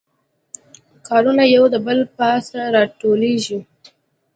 کارونه یو د بل پاسه راټولیږي